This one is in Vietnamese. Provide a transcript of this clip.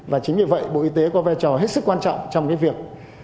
và chính vì vậy bộ y tế có vai trò hết sức quan trọng trong cái việc